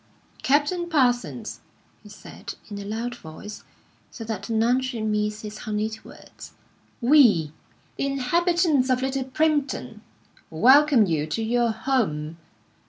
"Captain Parsons," he said, in a loud voice, so that none should miss his honeyed words, "we, the inhabitants of Little Primpton, welcome you to your home.